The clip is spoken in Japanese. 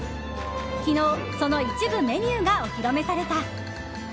昨日、その一部メニューがお披露目された。